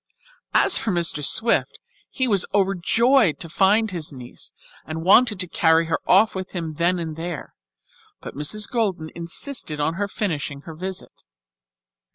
As for Mr. Swift, he was overjoyed to find his niece and wanted to carry her off with him then and there, but Mrs. Golden insisted on her finishing her visit.